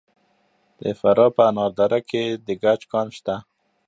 د فراه په انار دره کې د ګچ کان شته.